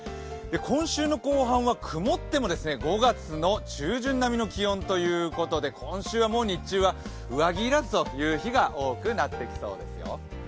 今週の後半は曇っても、５月の中旬並みの気温ということで、今週はもう日中は上着要らずの日が多くなってきますよ。